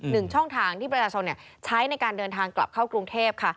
หนึ่งช่องทางที่ประชาชนใช้ในการเดินทางกลับเข้ากรุงเทพค่ะ